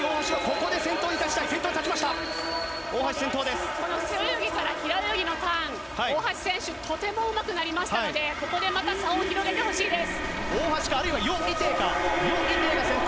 この背泳ぎから平泳ぎのターン、大橋選手、とてもうまくなりましたので、ここでまた差を広げ大橋か、あるいはヨイテイカ、ヨイテイが先頭。